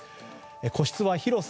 個室は広さ